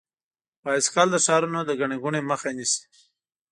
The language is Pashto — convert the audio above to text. بایسکل د ښارونو د ګڼې ګوڼې مخه نیسي.